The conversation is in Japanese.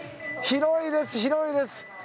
広いです、広いです。